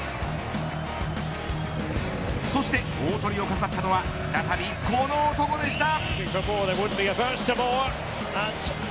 そして、大トリを飾ったのは再びこの男でした。